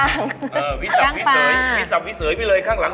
เออวิสับวิเสยวิสับวิเสยวิเลยข้างหลัง